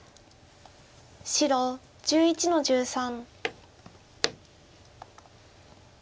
白１１の十三。